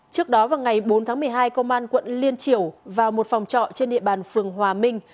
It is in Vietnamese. trước đó vào ngày bốn tháng một mươi hai công an quận liên triểu vào một phòng trọ trên địa bàn phường hòa minh